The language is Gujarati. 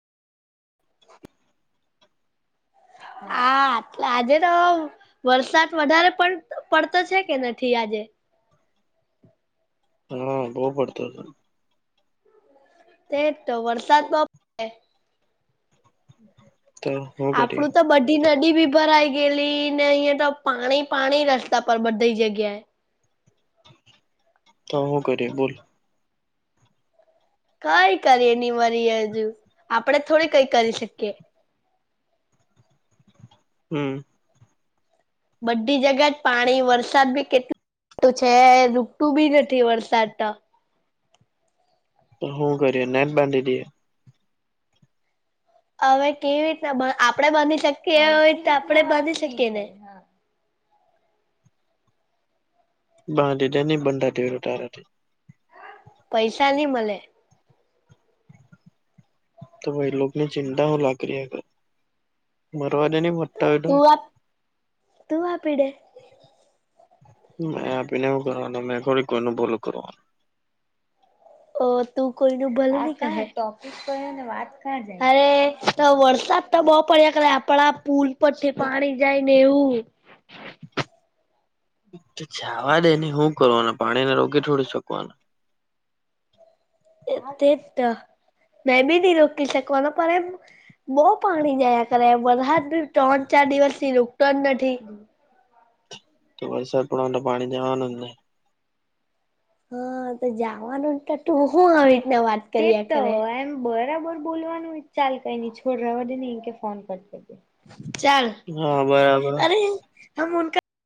હા આજે તો વરસાદ વધારે પડતો પડતો છે કે નથી આજે? હમ્મ બઉ પડતો હતો. તેજ તો વરસાદ બઓ પડે તો હું કરીએ આપડું તો બધ તે નદી બી ભરાઈ ગયેલી ને અઈયે તો પાણી પાણી રસ્તા પર બધી જગ્યાએ તો હું કરીએ બોલ? કઈ કરીએ ની વરી હજુ આપડે થોડી કઈ કરી શકીએ? હમ્મ. બધી જગ્યા જ પાણી વરસાદ બી કેટ તો છે રૂકતું બી નથી વરસાદ તો. તો હું કરીએ નેન બાંધી દીએ? હવે કેવી રીતના પણ આપણેે બાંધી શકીએ એ રીતે આપણેે બાંધી શકીએ ને? બાંધી દે ની બંધાતી હોય તો તારાથી પૈસા ની મલે. તું એ લોકની ચિંતા હું લેવા કરિયા કરે મરવા દે ને તું આપ તું આપીડે? મે આપીને હું કરવાનો મેં થોડી કોઈનું ભલું કરવાનું અ તું કોઈનું ભલુ ની કરહે તો? કરે ને વાત કા જાય અરે તો વરસાદ તો બો પડ્યા કરે આપડા પુલ ઉપરથી પાણી જાય ને એવું જાવા દે ની હું કરવાનું પાણી ને રોકી થોડી શકવાના? તે જ તો મેં બી ની રોકી શકવાનો પણ એમ બો પાણી જાયા કરે વરહાદ બી ત્રણ ચાર દિવસ થી રુકતો જ નથી. વરસાદ પડવાનો તો પાણી જાવાનું જ ને. હ તો જવાનું જ તો તું હું આવી રીતના વાત કરીઆ કરે તેજ તો એમ બરાબર બોલવાનું ચાલ કઈ ની છોડ રવા દેની એને કે ફોન કરી દે ચાલ હા બરાબર અરે [unintelligible]